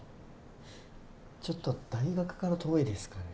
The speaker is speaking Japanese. ちょっと大学から遠いですかね。